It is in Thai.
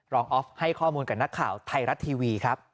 ออฟให้ข้อมูลกับนักข่าวไทยรัฐทีวีครับ